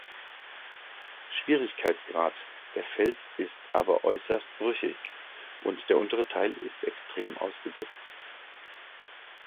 Schwierigkeitsgrad, der Fels ist aber äußerst brüchig und der untere Teil ist extrem ausgesetzt.